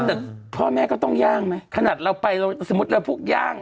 แต่พ่อแม่ก็ต้องย่างไหมขนาดเราไปเราสมมุติเราพวกย่าง